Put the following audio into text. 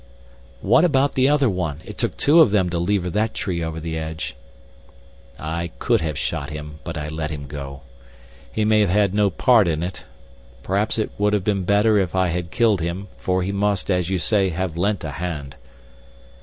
"What about the other one? It took two of them to lever that tree over the edge." "I could have shot him, but I let him go. He may have had no part in it. Perhaps it would have been better if I had killed him, for he must, as you say, have lent a hand."